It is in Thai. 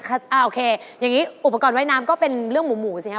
โอเคอย่างนี้อุปกรณ์ว่ายน้ำก็เป็นเรื่องหมูสิครับ